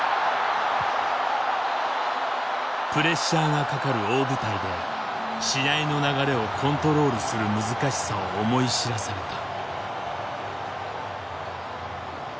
プレッシャーがかかる大舞台で試合の流れをコントロールする難しさを思い知らされた。